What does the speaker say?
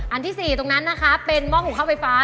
อันที่๔ตรงนั้นนะคะเป็นหม้อหูเข้าไฟฟ้า